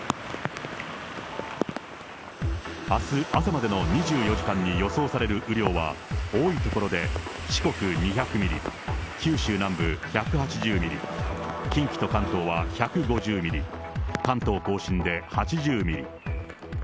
あす朝までの２４時間に予想される雨量は、多い所で四国２００ミリ、九州南部１８０ミリ、近畿と関東は１５０ミリ、関東甲信で８０ミリ。